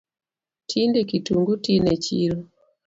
Tinde kitungu tin e chiro